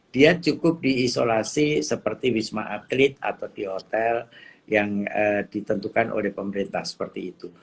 dia cukup diisolasi seperti wisma atlet atau di hotel yang ditentukan oleh pemerintah seperti itu